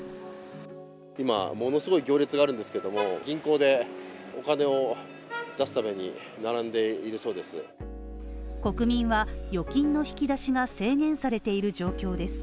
今、ものすごい行列があるんですけども、銀行でお金を出すために並んでるそうです国民は、預金の引き出しが制限されている状況です。